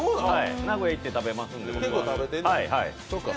名古屋行って食べますんで。